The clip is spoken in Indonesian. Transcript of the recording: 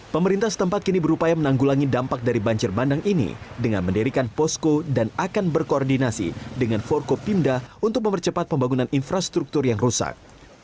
pemerintah setempat kini berupaya menanggulangi dampak dari banjir bandang ini dengan mendirikan posko dan akan berkoordinasi dengan forkopimda untuk mempercepat pembangunan infrastruktur yang rusak